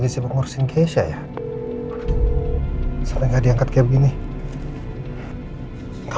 kenapa sih pada gak angkat semuanya